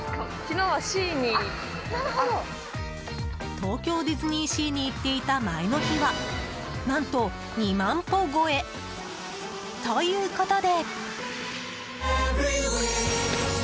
東京ディズニーシーに行っていた前の日は何と２万歩超え！ということで。